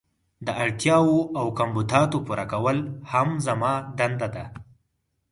د اړتیاوو او کمبوداتو پوره کول هم زما دنده ده.